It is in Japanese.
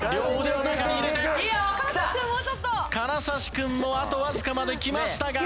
金指君もあとわずかまできましたが。